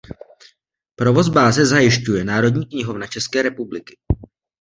Provoz báze zajišťuje Národní knihovna České republiky.